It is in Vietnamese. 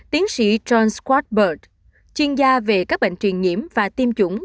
tiến sĩ john schwartzberg chuyên gia về các bệnh truyền nhiễm và tiêm chủng